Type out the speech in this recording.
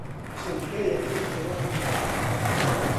چرکە یەکەی پێوانی کاتە.